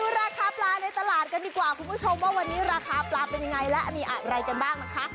ราคาปลาในตลาดกันดีกว่าคุณผู้ชมว่าวันนี้ราคาปลาเป็นยังไงและมีอะไรกันบ้างนะคะ